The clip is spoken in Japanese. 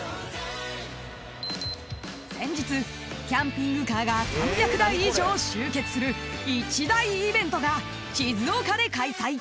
［先日キャンピングカーが３００台以上集結する一大イベントが静岡で開催］